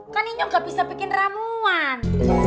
kan ini nggak bisa bikin ramuan